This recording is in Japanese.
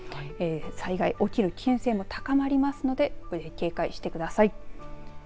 災害、起きる危険性も高まりますので警戒してください。